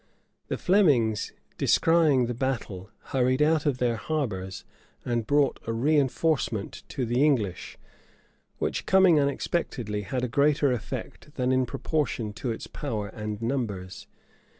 The Flemings, descrying the battle, hurried out of their harbors, and brought a reënforcement to the English; which, coming unexpectedly, had a greater effect than in proportion to its power and numbers.